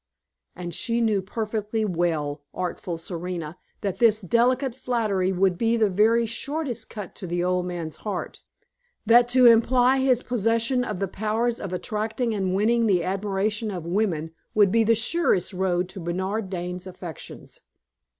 And she knew perfectly well, artful Serena, that this delicate flattery would be the very shortest cut to the old man's heart; that to imply his possession of the powers of attracting and winning the admiration of women would be the surest road to Bernard Dane's affections.